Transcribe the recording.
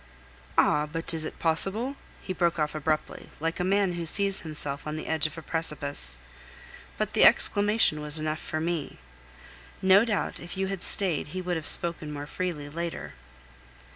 "Ah! but is it possible?..." He broke off abruptly, like a man who sees himself on the edge of a precipice. But the exclamation was enough for me. No doubt, if you had stayed, he would have spoken more freely later.